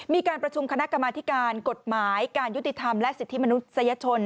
มีการประชุมคณะกรรมธิการกฎหมายการยุติธรรมและสิทธิมนุษยชน